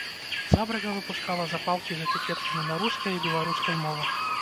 Фабрыка выпускала запалкі з этыкеткамі на рускай і беларускай мовах.